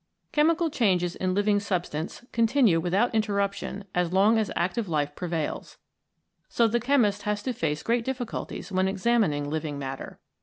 Chemical changes in living substance con tinue without interruption as long as active life prevails. So the chemist has to face great difficulties when examining living matter.